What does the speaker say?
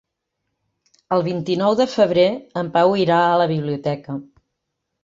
El vint-i-nou de febrer en Pau irà a la biblioteca.